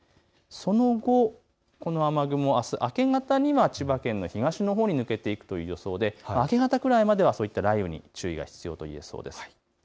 その後、この雨雲、あす明け方には千葉県の東のほうに抜けていくという予想で、明け方くらいまではそういった雷雨に注意が必要ということです。